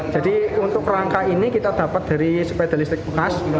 jadi untuk rangka ini kita dapat dari sepeda listrik bekas